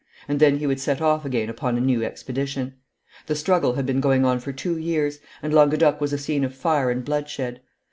and then he would set off again upon a new expedition. The struggle had been going on for two years, and Languedoc was a scene of fire and bloodshed.